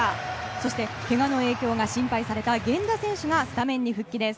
そして、けがの影響が心配された源田選手がスタメンに復帰です。